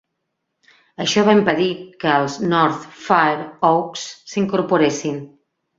Això va impedir que els North Fair Oaks s'incorporessin.